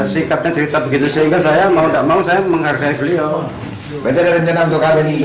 sikapnya cerita begitu sehingga saya mau tidak mau saya menghargai beliau